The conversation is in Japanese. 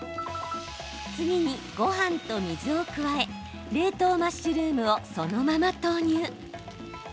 次に、ごはんと水を加え冷凍マッシュルームをそのまま投入！